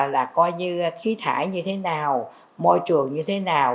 là coi như khí thải như thế nào môi trường như thế nào